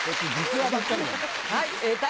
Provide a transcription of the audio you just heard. はい。